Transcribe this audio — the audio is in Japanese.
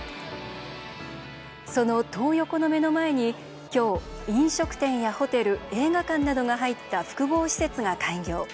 その「トー横」の目の前に今日、飲食店やホテル映画館などが入った複合施設が開業。